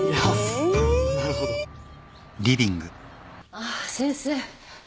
ああ先生。